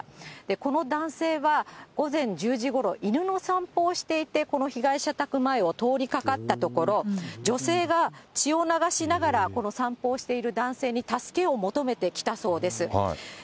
この男性は午前１０時ごろ、犬の散歩をしていて、この被害者宅前を通りかかったところ、女性が血を流しながら、この散歩をしている男性に助けを求めてきたそうです。